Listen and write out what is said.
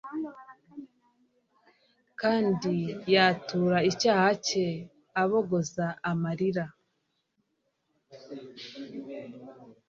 Ibibyimba bisukuye bikira vuba